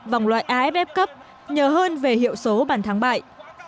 vòng loại aff cup nhờ hơn về hiệu số bàn thắng bại